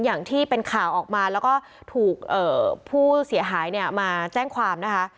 อย่างที่เป็นข่าวออกมาแล้วก็ถูกผู้เสียหายเนี่ยมาแจ้งความนะคะ